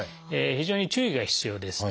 非常に注意が必要です。